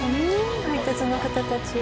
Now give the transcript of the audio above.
配達の方たち。